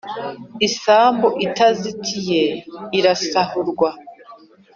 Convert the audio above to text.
Isambu itazitiye, irasahurwa,